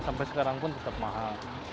sampai sekarang pun tetap mahal